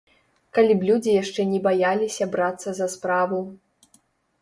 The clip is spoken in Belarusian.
Калі б людзі яшчэ не баяліся брацца за справу.